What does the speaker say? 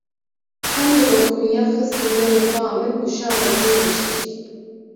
Çend dilop kunyak xistin devê xweha min û şande pey bijîşk.